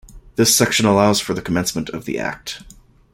This section allows for the commencement of the Act.